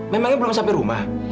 maya maya belum sampai rumah